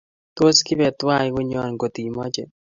Tos kepe twai konyon ngot imache